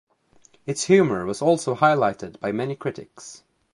Its humor was also highlighted by many critics.